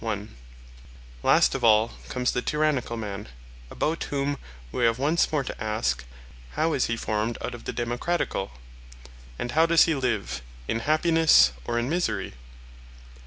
BOOK IX. Last of all comes the tyrannical man; about whom we have once more to ask, how is he formed out of the democratical? and how does he live, in happiness or in misery?